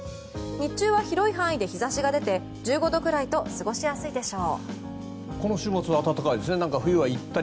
日中は広い範囲で日差しが出て１５度くらいと過ごしやすいでしょう。